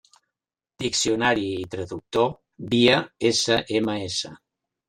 Diccionari i traductor via SMS.